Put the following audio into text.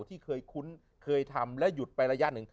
ที่เคยคุ้นเคยทำและหยุดไประยะหนึ่ง